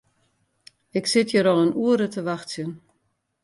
Ik sit hjir al in oere te wachtsjen.